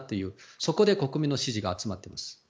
そこで国民の支持が集まっています。